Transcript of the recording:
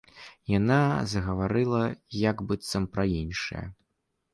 Яна загаварыла як быццам пра іншае.